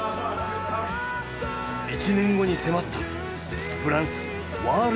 １年後に迫ったフランスワールドカップ。